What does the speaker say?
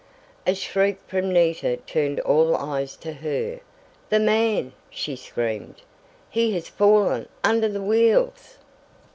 A shriek from Nita turned all eyes to her. "The man!" she screamed. "He has fallen under the wheels!"